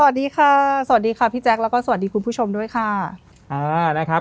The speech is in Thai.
สวัสดีค่ะสวัสดีครับพี่แจ็คแล้วก็สวัสดีคุณผู้ชมด้วยค่ะ